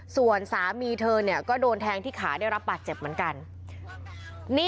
ส่วนสามีเธอก็โดนแทงที่ขาได้รับบาดเจ็บเหมือนกัน